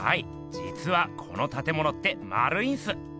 じつはこのたてものってまるいんす。